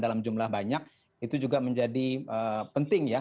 dalam jumlah banyak itu juga menjadi penting ya